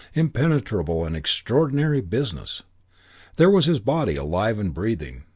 Impenetrable and extraordinary business! There was his body, alive, breathing.